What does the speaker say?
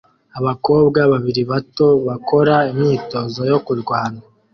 Abakobwa babiri bato bakora imyitozo yo kurwana